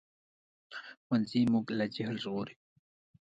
ښوونځی موږ له جهل ژغوري